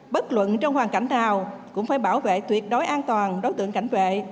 bất luận trong hoàn cảnh nào cũng phải bảo vệ tuyệt đối an toàn đối tượng cảnh vệ